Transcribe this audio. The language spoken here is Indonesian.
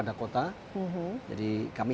dakota jadi kami